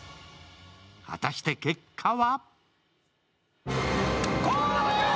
果たして結果は。